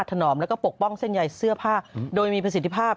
ถนอมแล้วก็ปกป้องเส้นใยเสื้อผ้าโดยมีประสิทธิภาพ